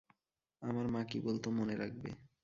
আমার মা কী বলত, মনে রাখবে।